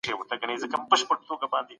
حق د مؤمن دپاره د نجات لاره ده.